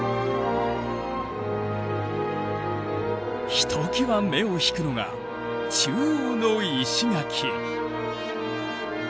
ひときわ目を引くのが中央の石垣！